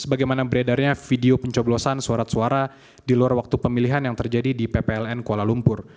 sebagaimana beredarnya video pencoblosan surat suara di luar waktu pemilihan yang terjadi di ppln kuala lumpur